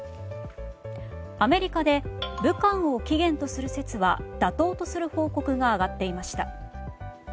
アメリカで武漢を起源とする説は妥当とする報告が上がっていました。